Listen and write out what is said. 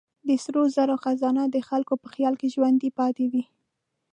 د سرو زرو خزانه د خلکو په خیال کې ژوندۍ پاتې ده.